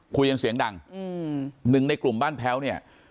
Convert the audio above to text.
คุยอย่างเสียงดังอืมหนึ่งในกลุ่มบ้านแพ้วเนี้ย